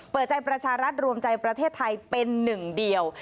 เปิดใจประชารัฐรวมใจประเทศไทยเป็นหนึ่งเดียว